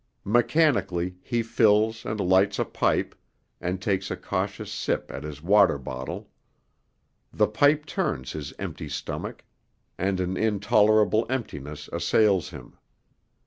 Mechanically he fills and lights a pipe, and takes a cautious sip at his water bottle; the pipe turns his empty stomach, and an intolerable emptiness assails him.